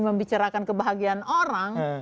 membicarakan kebahagiaan orang